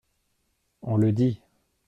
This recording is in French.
On le dit.